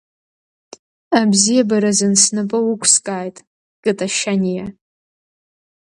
Абзиаразын снапы уқәскааит, Кыта Шьаниа!